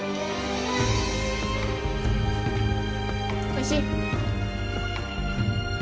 おいしい？